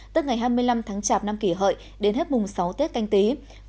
tức ngày hai mươi năm tháng chạp năm kỷ hợi đến hết mùng sáu tết canh tí